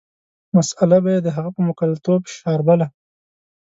مساله به یې د هغه په موکلتوب شاربله.